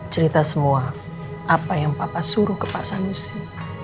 cerita semua apa yang papa suruh ke pak sanusi